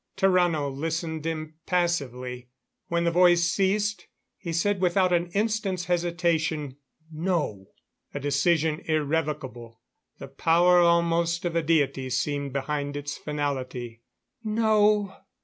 Tarrano listened impassively. When the voice ceased, he said without an instant's hesitation: "No!" A decision irrevocable; the power almost of a deity seemed behind its finality. "No!